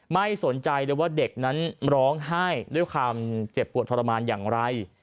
ไม่สนใจเลยว่าเด็กนั้นร้องไห้ด้วยความเจ็บปวดทรมานอย่างไร